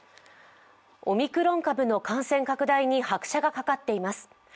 オミクロン株の感染拡大に拍車がかかっています。